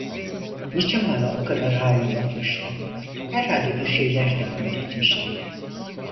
Niçin bana o kadar hain bakmıştı? Herhalde bir şeyler tahmin etmişti.